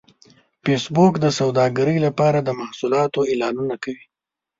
فېسبوک د سوداګرۍ لپاره د محصولاتو اعلانونه کوي